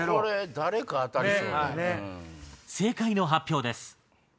正解の発表です。